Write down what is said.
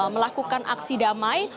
melakukan aksi damai